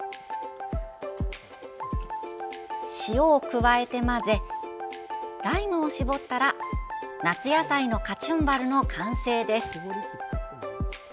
塩を加えて混ぜライムを搾ったら夏野菜のカチュンバルの完成です。